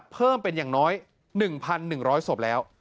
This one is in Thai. เพิ่มเป็นอย่างน้อย๑๑๐๐ศพแล้ว